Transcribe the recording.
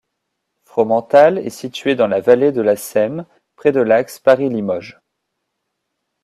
Fromental est située dans la vallée de la Semme, près de l’axe Paris-Limoges.